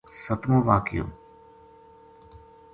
سَتمو واقعو